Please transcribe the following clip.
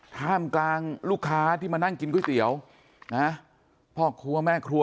ท่ามกลางลูกค้าที่มานั่งกินก๋วยเตี๋ยวนะพ่อครัวแม่ครัว